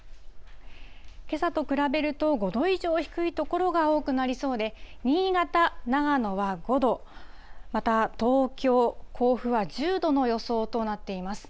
けさと比べると５度以上低い所が多くなりそうで、新潟、長野は５度、また東京、甲府は１０度の予想となっています。